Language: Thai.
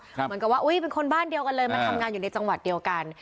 เหมือนกับว่าอุ้ยเป็นคนบ้านเดียวกันเลยมาทำงานอยู่ในจังหวัดเดียวกัน